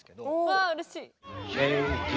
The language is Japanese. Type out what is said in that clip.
わあうれしい！